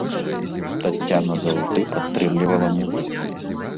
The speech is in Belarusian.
Таццяна заўжды падтрымлівала мужа.